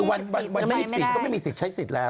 วันที่๒๔ก็ไม่มีสิทธิ์ใช้สิทธิ์แล้ว